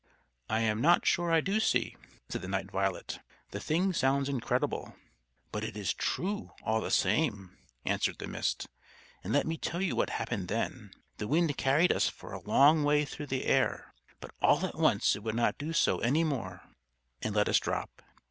"I am not sure I do see," said the Night Violet. "The thing sounds incredible." "But it is true all the same," answered the Mist "And let me tell you what happened then. The wind carried us for a long way through the air. But all at once it would not do so any more, and let us drop.